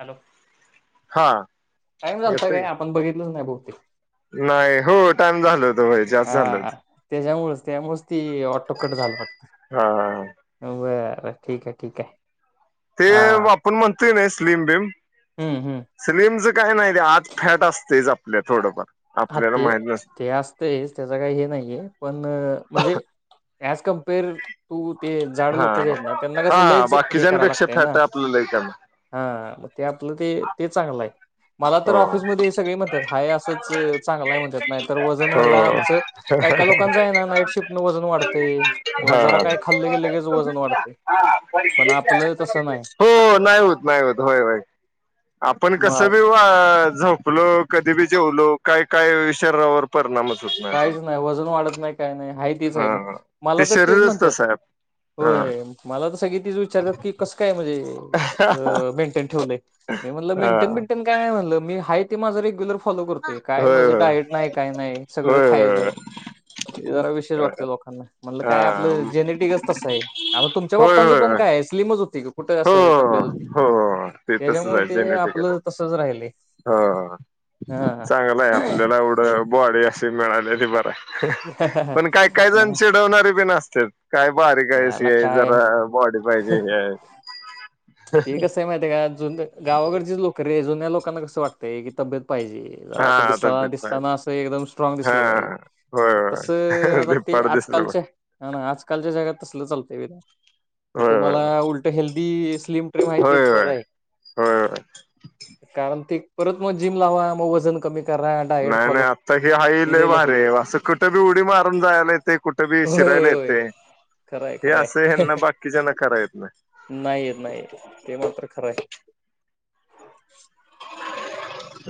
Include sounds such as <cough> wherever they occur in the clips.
Hello! हा time झालता येतोय काय? आपण बघितलंच नाही बहुतेक नाही. हो टाइम झाल होय जास्त झालं हा. होत त्यांच्यामुळंच, त्यामुळंच ती ऑटोकट झाला वाटत हा बरं ठीकय, ठीकय ते आपण म्हणतोय ना स्लीम बीम? हम्म हम्म स्लिमच काही नाही ते आत फॅट असतयच आपल्या थोडंफार हा आपल्याला ते माहित ते असतयच त्याच काही हे नाहीये पण म्हणजे ह्याच कं कंपेयर टु नसत जाड हा लोकंयत ना त्यांना कस हा लयच हे करावं बाकीच्यापेक्षा लागतय फॅट ना? आपलं लय कमी हा आपलं ते ते चांगलंय, मला तर हो ऑफिसमध्ये सगळे म्हणतात हाय असंच च चांगलाय म्हणत्यात नाही तर वजन म्हणला हो आमचं काय काय लोकांचय ना नाईट शिफ्टने वजन वाढतय किंवा हा जरा हा काय खाल्लं की लगेच वजन वाढतय हो हो नाही होत नाही होत होय होय आपण कसं मग बी झोपलो कधी बी जेवलो काय काय शरीरावर परिणामच होत नाय अस काहीच नाही वजन वाढत नाही काय नाही आहे तेच आहे, हा मला ते त तेच शरीरच म्हणत्यात. तसं आहे हा होय मला त सगळी तीच विचारतात की कसं काय म्हणजे. क मेंटेन ठेवलय मी म्हणलं मेंटेन हा बिंटेन काय म्हणलं मी आहे ते माझं रेग्युलर फॉलो करतोय, काय होय माझं डाएट नाही काय नाही. होय सगळं होय खायचंय होय ते जरा विशेष वाटतं लोकांना. म्हणलं हा काय आपलं जेनेटिकच तसं आहे. आता तुमच्या होय पप्पांचं होय पण होय काय स्लीमच होती कुठं अस हो तब्येत होती. हो ते तसंच त्याच्यामुळ आहे ते जेनेटिक आहे आपलं तसच राहिले. ते हो चांगलं आहे आपल्याला एवढं बॉडी असी मिळालेली बर. पण काय काय जण नाही चिडवणारे बीन असत्यात. काय बारीक आहेसी त्याला आहे काय जरा बॉडी पाहिजे हे. ते कसं आहे माहितीय का जुन्या गावाकडची लोकं रे, जुन्या लोकांना कसं वाटतंय की तब्येत पाहिजे जरा हा असं दिसताना, तब्येत पाहिजे दिसताना असं एकदम स्ट्रॉग हा दिसलं पाहिजे होय होय तसं आता ते धिप्पाड दिसलं मग आजकालच्या ह ना आजकालच्या जगात तसल चालतंय वय रे ते होय होय तुम्हाला उलट हेल्दी स्लिम केव्हा येतील. होय बरं होय आहे होय होय कारण ते परत म जिम लावा म वजन कमी. करा डायट नाही, नाही फॉलो आत्ता हे हाई ती लयी लय भारी लफडी आहे आहेत बा असं कुठं बी उडी मारून जायलेत. ते कुठेबी होय शिरायला होय होय येते खरंय हे खरंय असं ह्याना बाकीच्याना कराय येत नाही. नाही येत नाही येत ते मात्र खरं आहे.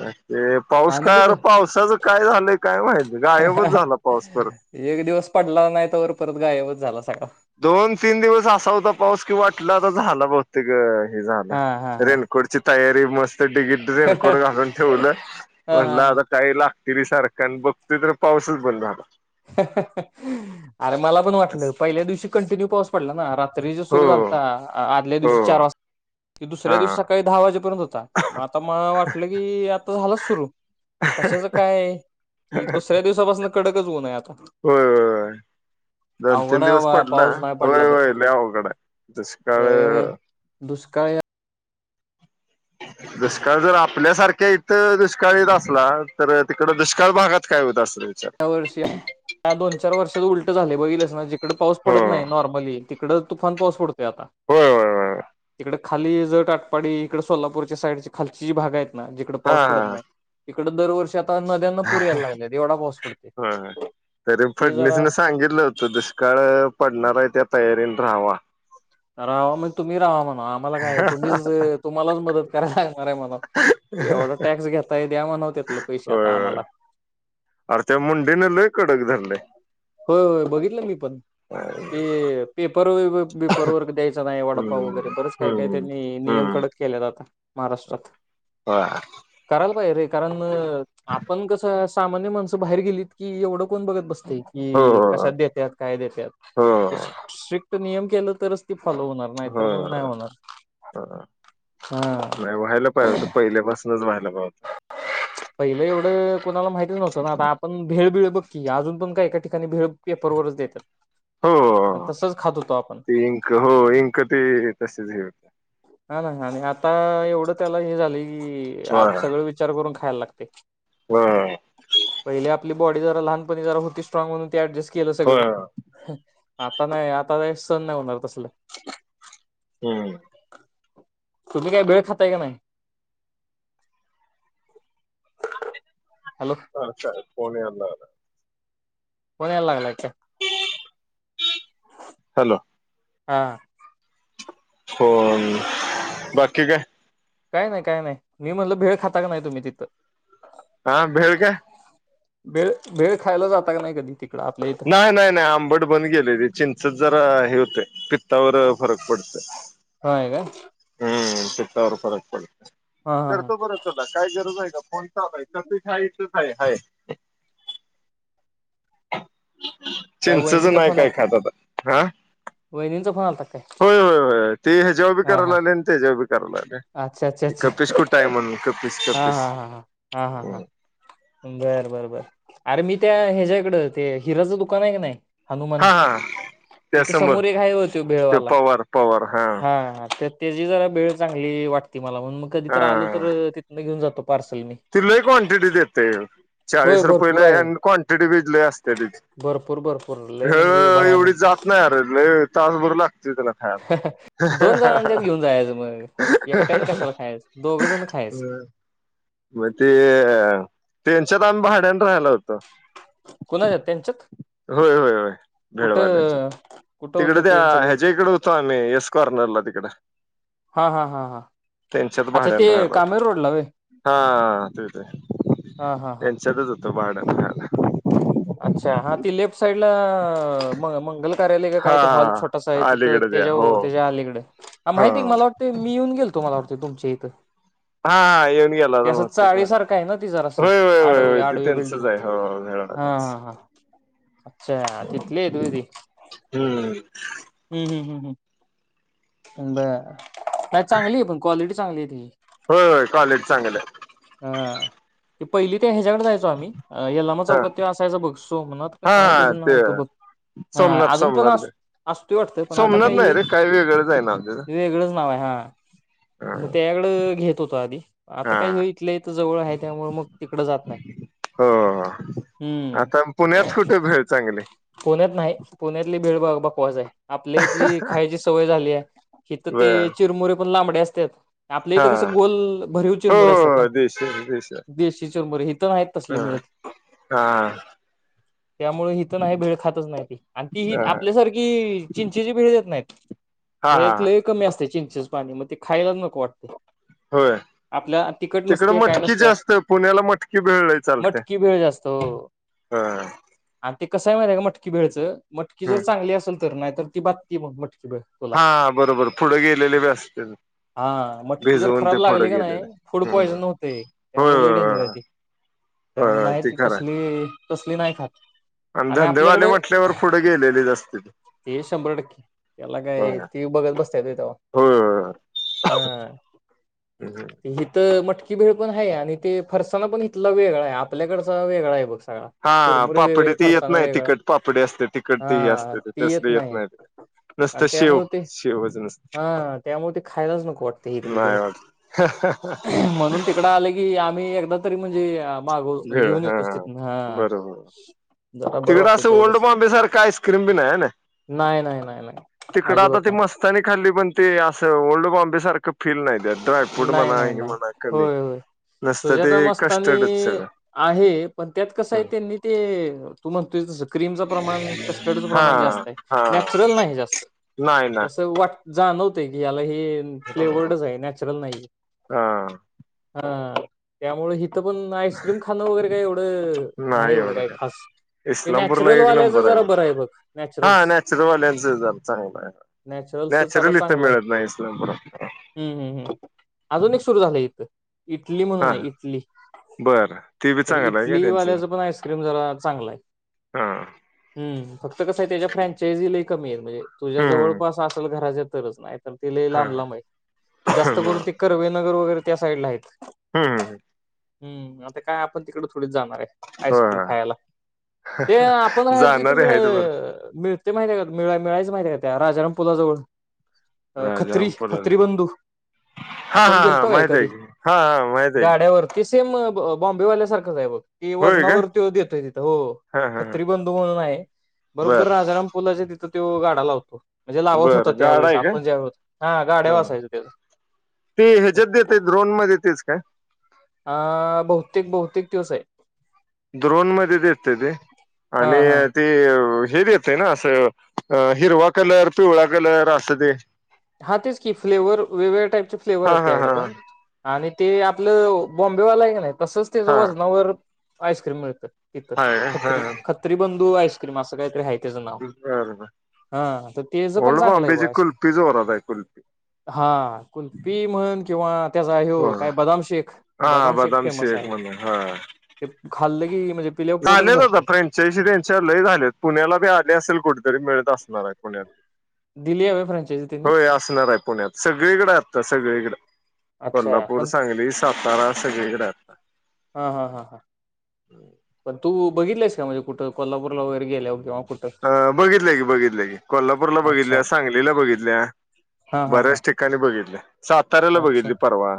अ ते पाऊस आणि काय कुठं अर पावसाचं काय झालंय काय महिती गायबच झाला पाऊस परत. एक दिवस पडला नाही त वर परत गायबच झाला सगळां. दोन तीन दिवस असा होता पाऊस किंवा वाटल आता झाला ब. हे ग हे झाला हा हा हा. रेनकोटची तयारी मस्त डिगीट रेनकोट घालून ठेवलं. हा म्हणलं हा आता हां! काही लागते री सर्कल बघतो तर पाऊसच बंद झाला. अरे मला पण वाटलं पहिल्या दिवशी. कंटिन्यू पाऊस पडला ना रात्री जे हो सुरू झालता आदल्या हो दिवशी चार वाजता हा दुसऱ्या दिवशी सकाळी दहा वाजेपर्यंत होता म आता मला वाटलं की आता झाला सुरु त कशाच काय आहे. दुसऱ्या दिवसापासन कडकच ऊन ये आता. होय होय होय! दोन तीन अवघड आहे दिवस बाबा पडला पाऊस नाही पडला होय तर. होय लयी अवघड आहे दुष्काळ तर दुष्काळ दुष्काळ जर आपल्यासारख्या इथं दुष्काळीत असला तर तिकड दुष्काळ भागात काय होईत असल विचार. त्या वर्षी या दोन चार वर्षात उलट झाले बघीलस ना जिकड पाऊस हो पडत नाही नॉर्मली तिकडच तुफान पाऊस पडतोय आता होय होय होय तिकड. खाली ज टाटपाडी इकड सोलापूरच्या साईडची खालची जी भाग आहेत ना जिकड हा पाऊस पडत हा नाही. तीकड दरवर्षी आता नद्यांना पुर यायला लागलेत येवढा पाऊस. पडतोय होय होय तरी मग ते फडणीस जरा न सां सांगितलं होत दुष्काळ पडणार आहे त्या तयारीने राहावा. राहावा म्हण तुम्ही राहावा म्हणा आम्हाला काय तुम्हीच अ तुम्हालाच मदत कराय लागणार आहे म्हनाव एवढा टॅक्स घेताय द्या म्हणावत्यातल पैसे आता आम्हाला. अर त्या मुंडेने लय कडक धरलय. होय, होय बघितलं मी पण ते पेपर वयी व. बरोवर द्यांयचा नाहीं वडापाव वगैरें हम्म बरेचं कायं कांहीं हम्म त्यांनी नियम हम्म कडक केलेत आंता महाराष्ट्रांत वां करांयला पाहिजे रे कारणं अं आपणं कसं सामान्य माणसं बाहेर गेलीत की एवढं कोणं बघतं बसतं हो की कशांत देत्यांत कायं हो देतांत स्ट्रिक्ट नियम केलं तरचं ते फॉलो होणारं हो नाहींतरं मंग नाहीं होणारं हो हां बचंव्हायला पावते पहिलं एवढं कोणांला माहितीचं नव्हतं नां आंता आपणं भेळ भिळ बघं की अजूंन पणं कायं एकां ठिकांणी भेळ पेपर वरचं देतांत हो ते इंक हो इंक ते तसेच घे हं नां आणि आंता एवढं त्यांला हे झाले की पुढं विचारं करूंन खांयला लागते व्हांय पहिले आपली बॉडी जरां लहांनपणी जरां होती स्ट्राग म्हणूंन ते ऍडजस्ट केलं होय सगळं आंता नाहीं आंता ते संण नाहीं होणारं तसले हम्मं तुम्हीं कांहीं भेळ खांताय कां नाहीं हॅलो अच्छा फोन यांयले लागला फोन यांयला लागलंय की कायं हॅलो हां हो बाकी कायं कायं नाहीं कायं नाहीं मी म्हणलं भेळ खांता कां नाहीं तुम्हीं तिथं हां भेळ कायं भेळ भेळ खांयला जांता कां नाहीं कधीं तिथं नाहीं नाहीं नाहीं आंबट बनं गेले ते चिंचत जरां हे होते पित्तावरं फरंक पडतं यं होयं कायं हम्मं पित्तांवर फरंक पडतो हा हा हा करतों परंत कायं गरजं आहे कां फोन चायांय तसं कांहीं कायं आहे काय चिंचच वहिनींचा नाहीं कायं खांत आंता हां वहिणींचा फोन आंलतां की यं कायं होयं होयं ते ह्यांच्याेवर बी करांयला आले आणि त्यांच्यावर बी करांयला आले पिसकूंट टायं म्हंण बी हां हां हां हां हां हां हां बरं बरं बरं अरे मी त्यां ह्यांच्या इकडं ते हिराचं दुकानं आहे की नाहीं हां हां तिथं समोर एक आहे होतं भेळवांला पवार पवार हा हां हां ते त्यांची जरां भेळ चांगली वाटते मलां म्हणूंन मंग कधींतरी आलो तरं तिथनं घेऊंन जातो पार्सल मी तिलाही क्वांटिटी देते होय चाळीस रुपयेला भरपूर आणि क्वांटिटी भिजली असते तिची भरंपूर भरंपूर लयं म्हणजेयां भयांनक कुंढी जातं नाहीं अरे लंय तासंभर लागते त्यांला हं दोन जणांच्यात हां घेऊन जायचं मग हं एकट्यानं हं कशाला खायचं दोघ जण खायचं हं मंग ते अ त्यांच्यांत आम्हीं भाड्यांने राहिला होतं. कुणांच्यातं त्यांच्यांत भेळवाल्यांच्या कुठं तिकडे होतं त्या त्यांचं घर ह्याच्या इकडे होतो आम्ही येस कॉर्नरला तिकडं हा हा हा हा आता ते भाड्याने राहिला होतो कामेर रोड होय हा तेच आहे हा हा हा त्यांच्यातच होतो भाड्याने राहायला. अच्छा हा ते लेफ्ट साईड ला मंगल कार्यालय हा काय हॉल छोटस आहे हा तिथं अलीकडे द्या हो त्या त्या आलीकडे हा माहित आहे कि मला वाटतं ते मी येऊन गेलतो होतो तुमच्या इथं हा हा येऊन गेला होता ते बहुतेक होय चाळीसारखा आहे ना ति जरास होय होय होय असं होय ते आडवी बिल्डिंग त्यांचंच आहे हो हा मेळाच हा हा अच्छा तिथली आहेत होय हम्म हम्म हम्म हम्म बरं नाय ती चांगली आहे पण क्वालिटी चांगली आहे ती होय कॉलेटी चांगली आहे हा ते पहिली ते ह्याच्याकडे जायचो आम्ही यल्लमा हा चौकात त्याचं बघ सोमनाथ का काय हा त्याचं नाव ते होतं बघ हा सोमनाथ अजून पण सोमनाथ असं असतंय वाटतं पण आता सोमनाथ काही नाही हे रे वेगळंच आहे नाव त्याचं वेगळंच नाव आहे हा मग हा तेकडं घेत होतो आधी आता काय हा हे इथल्या इथं जवळ आहे त्यामुळं मग तिकडं जात नाही. हो हम्म आता पुण्यात कुठे भेळ चांगली? पुण्यात नाही पुण्यातली भेळ बघ बकवास आहे. आपल्या इथली खायची सवय झाली आहे की तिथं ती बर चिरमुरे पण लांबडे असतात. आपल्या हा इथं कसं गोल भरीव हो चिरमुर असतात ना. हो देश <unintelligible> देशी चुरमुरे इथं नाही तसले हा मिळत. हा त्यामुळे हिथं नाही भेळ खातच नाही ती आणि ती ही हा आपल्यासारखी चिंचेची भेळ देत नाहीत. हा हा त्यातलं कमी असते चिंचेच पाणी मग ते खायलाच नको वाटते. होय. आपल्या तिखट तिकड नसते काय मटकी नसत्या जास्त पुण्याला मटकी भेळ लय चालतीय. मटकी भेळ जास्त हो हा आणि ते कसंय माहित आहे का मटकी भेळचं मटकी जर चांगली असेल तर नाही तर ती बातती मग मटकी भेळ. तुला हा बरोबर पुढं गेलेले बी असते. हा मटकी जर खराब लागली का नाही फूड हम्म पॉइझन होते होय त्यामुळे लय डेंजर आहे होय ते त्यामुळे होय आहे ते ती खरं तसली तसली नाही खात. आणि धंदेवाले म्हटल्यावर पुढे गेलेले असती. ते शंभर टक्के त्याला काय ते बघत बसता होय होय तेव्हा हा हं हिथं मटकी भेळ पण आहे आणि ते फरसाना पण इथला वेगळा आहे आपल्याकडचा वेगळा आहे बघ सगळा. हा चिरमुरे पापडी वेगळे त येत फरसाना नाही वेगळा तिखट पापडी असते तिखट ती हा असते तसलं येत नाही. नुसतं आणि शेव त्यामुळे ते शेवच नुसतं हा त्यामुळे ते खायलाच नको वाटते इथली भेळ नाहीय वाट <unintelligible> इकडं आले की आम्ही एकदा तरी म्हणजे माग म्हणजे घेऊन येतोच तिथून हा बरोबर जरा बरं तिकडं वाटतंय असं ओल्ड तेवढंच बॉम्बेसारखा आईस्क्रीम बी नाही आहे ना? नाही नाही नाही नाही तिकडं आजिबात आता ती मस्तनी खाल्ली पण ती असं ओल्ड बॉम्बे सारखं फील नाही त्याड्राय फूड नाही म्हणा नाही हे नाही म्हणा कमी होय होय नसतं ते सुजाता मस्तानी कस्टर्डच सगळं आहे पण त्यात कसं आहे त्यांनी. ते तू म्हणतोय तस. क्रीमचं प्रमाण कस्टर्डचं हा प्रमाण जास्त आहे हा नॅचरल नाही जास्त नाही ना असं वाट जाणवतय की याला हे फ्लेवर्डच आहे नॅचरल नाहीय. हा हं त्यामुळ ही त पण आईस्क्रीम खाणं वगैरे काय एवढं नाही एवढं काय खास. ते इस्लामपूरला नॅचरल एक वाल्याचं नंबर जरा बरं आहे बघ हा नॅचरलस. नॅचरलवाल्यांच जरा चांगलं आहे नॅचरल चं जरा इथं चांगल आहे. मिळत नाही इस्लामपुरात हूं हूं हूं अजून एक सुरू झालं इथं, इटली म्हणून हा आहे इटली. बरं ते बी तर चांगलं आहे का इटली त्यांचं वाल्याच पण आईस्क्रीम जरा चांगल आहे. हा! हूं फक्त कसं आहे त्याच्या फ्रँचायसी लयी कमी आहे म्हणजे तुझ्या हम्म जवळपास असेल घराच्या तरच नाही तर ते लयी हा लांब लांब आहे जास्त करून ते कर्वे नगर वगैरे त्या साईड ला आहेत. हूं! हूं आता काय आपण तिकड थोडीच जाणार आहे. हो आईस्क्रीम खायाला ये आपण आहे तिथं जाणारे आहेत बर मीळ-मिळत. ते माहतीत आहे का मिळा-मिळायच माहित आहे का त्या राजाराम पुलाजवळ खत्री राजारामपूरला खत्री बंधू. हा आपण हा हा गेलतोय माहित काय आहे कधी की हा हा माहित आहे की गाड्यावरती ते सेम ब-बॉम्बेवाल्या सारखंच आहे बघ की होय का वजनावरती देतोय तिथं हो हा हा खत्री बंधू म्हणून आहे बरोबर बर राजाराम पुला च्या तिथं त्यो गाडा लावतो म्हणजे लावत बर होता गाडा त्यावेळेस आहे का आपण जेव्हा होत हा गाड्या व असयच. ते ह्याच्यात देताये द्रोन मध्ये तेच का? अ बहुतेक बहुतेक त्योच आहे. द्रोन मध्ये देतय ते हा आणि हा ते हे देतय ना असं हिरवा कलर, पिवळा कलर, असं ते. हा तेच की फ्लेवर वेगवेगळ्या टाईपचे फ्लेवर हा आहेत हा त्याकड हा पण. आणि ते आपलं बॉम्बेवाला आहे का नाही तसंच त्याच हा वजनावर आईस्क्रीम मिळतं. तीथ हाय हा खत्री, खत्री बंधू आईस्क्रीम असं काहीतरी आहे. त्याच नाव बर बर हा त येच पण ओल्ड चांगलं आहे बॉम्बेची बॉ आईस <unintelligible> हा कुल्पी म्हण किंवा त्याचा ह्यो हो काय बदाम शेख, हा बदाम शेख फेमस शेक आहे. म्हणून हा ते खाल्ल की म्हणजे. पिल्यावर पोटच झालेत आता भरते फ्रँचाईसी त्यांच्या लयी झालेत पुण्याला बी आले असेल कुठेतरी मिळत असणार आहेत. पुण्यात दिली हवे फ्रँचायझी त्यांनी होय असणार आहे पुण्यात, सगळीकडें आता सगळीकडे. अच्छा. कोल्हापूर, पण सांगली, सातारा, सगळीकडे आता. हा हा हा! पण तू बघितलयस का म्हणजे कुठं कोल्हापूर ला वगैरे गेल्यावर किंवा <unintelligible> अ बघितलं की बघितलं की कोल्हापूरला अच्छा बघितल्या, सांगलीला बघितल्या, हा हा हा बऱ्याच ठिक कानी बघितल्या साताऱ्याला अच्छा बघितली परवा.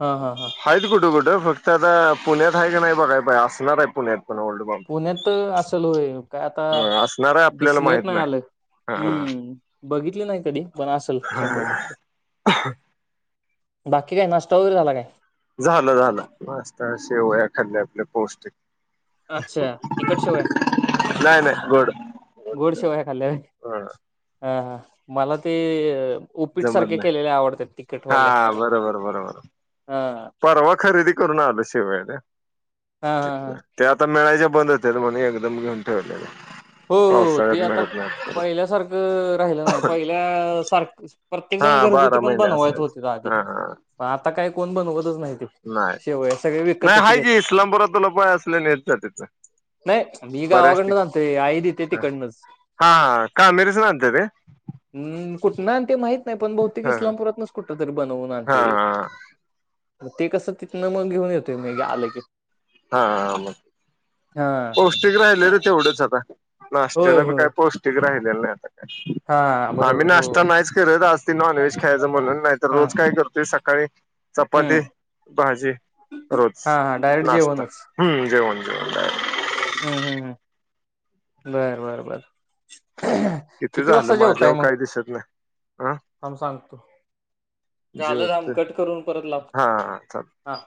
हा हा हा आहेत कुठं कुठं फक्त आता पुण्यात आहे की नाही बघाय पाय असणार आहे पुण्यात पण ओल्ड बॉम्ब. पुण्यात असल होय काय आता असणार आहे आपल्याला दिसण्यात माहित नाही आलं नाही हूं. बघितल नाही कधी पण असल शंभर हा टक्के. बाकी काय नाष्टा वगैरे झाला काय? झालं झालं नाष्टा शेवया खाल्ल्या आपल्या पौष्टिक. अच्छा तिकट शेवया. नाही नाही गोड गोंड शेवांया खाल्ल्यां कायं अ हां हं मलां ते अं जमतं नाहीं हां बरोबर बरोबर हा परवां खरेदी करूंन आलो शेवांया त्यां हा हा हा जित ते आंता मिळांयचे बंद होते म्हणे एकदंम घेऊन ठेवलेले हो ते पावसाळ्यात आंता मिळत नाही पहिल्यांसारखं राहिलं नाहीं पहिल्यां सारखं प्रत्येक जणं हा बारा घरगुंती पणं महिने बनवायचं होती आंधी असायचं हा पणं आंता कायं कोणं बनवतचं नाहीं कोणी नाहीं नाहीं आहे की इस्लांमपुरांत तुलां पाय असले नच्यां तिथं नाहीं मी गावांकडनंच आणतो आई देती ती कडणंच हां हां कां मेरचं आंनते ते हम्मं कुठं नां आणं ते माहीत नाहीं पणं बहुंतेक हा इस्लांमपुरांत नचं कुठं तरी बनवूंन हा आणते हा ते कसं तिथनं मंग घेऊन येतोय मी आलं की हां मंग हा पौष्टिक राहिले रे तेवढंच आंता होय नाश्त्याला बी होय कायं पौष्टिक ठिक राहिलेल्या नाहीं आंता हा कायं आम्हीं बरोबर नाश्ता हो. नाहींच करतं आंज ते नॉनव्हेज खायचं म्हणूंन नाहीं तरं हा रोज कायं करतोय सकाळीं हम्म चपाती भाजी हा रोजचं हा डायरेक्ट जेवणच हम्मं जेवणं करतं अहांत हम्मं हम्मं हम्मं बरं बरं बरं किती झालं वाजंता जेवतांय माझ्यावर मंग हंम काही दिसत नाही हा थांब सांगतो मंग झालं झाम जेवतोय कंट करूंन परंत लावतो हा हा चालतंय. हां